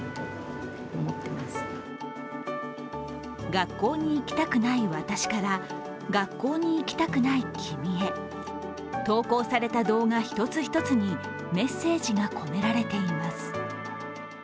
学校に行きたくない私から、学校に行きたくない君へ投稿された動画１つ１つにメッセージが込められています。